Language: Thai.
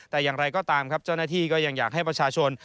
แต่อย่างไรก็ตามครับเจ้าหน้าที่ก็ยังอยากให้ประชาชน